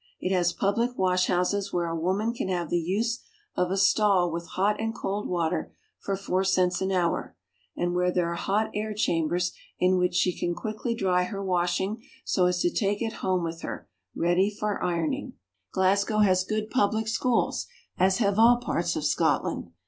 It has public washhouses where a woman can have the use of a stall with hot and cold water for four cents an hour, and where there are hot air chambers in which she can quickly dry her washing so as to take it home with her, ready for ironing. 38 SCOTLAND. Glasgow has good public schools, as have all parts of Scotland.